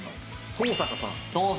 東坂さん。